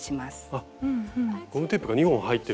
あっゴムテープが２本入ってるんですね